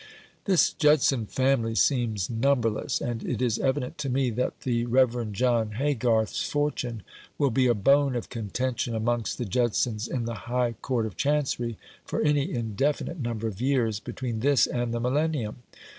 This Judson family seems numberless; and it is evident to me that the Reverend John Haygarth's fortune will be a bone of contention amongst the Judsons in the High Court of Chancery for any indefinite number of years between this and the milennium.